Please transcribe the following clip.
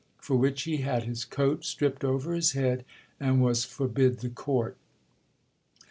'—for which he had his coat stripped over his head, and was forbid the court.